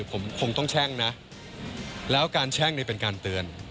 ผมคงต้องแช่งนะแล้วการแช่งนี่เป็นการเตือน